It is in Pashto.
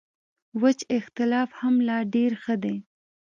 وچ اختلاف هم لا ډېر ښه دی.